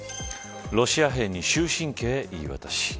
ロシア兵に終身刑、言い渡し。